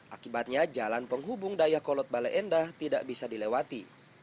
akibatnya jalan penghubung daya kolot bale endah tidak bisa dilewati